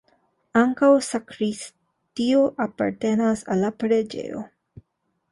Ankaŭ sakristio apartenas al la preĝejo.